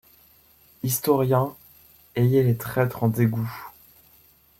Historiens, ayez les traîtres en dégoût.